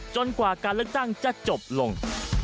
กว่าการเลือกตั้งจะจบลง